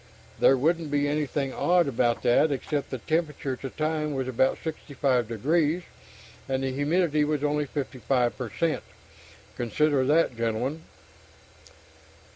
There wouldn't be anything odd about that except the temperature at the time was about 65 degrees, and the humidity was only 55 per cent. Consider that, gentlemen.